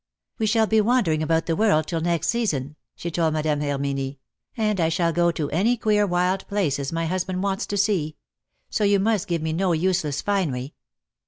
"We shall be wandering about the world till next season," she told Madame Herminie, "and I shall go to any queer wild places my husband wants to see; so you must give me no useless finery."